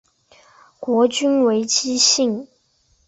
国君为姬姓。